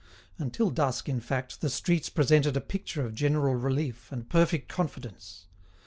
Until dusk, in fact, the streets presented a picture of general relief and perfect confidence.